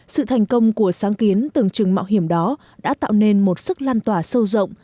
sự thành công của sáng kiến tưởng chừng mạo hiểm đó đã tạo nên một sức lan tỏa sâu rộng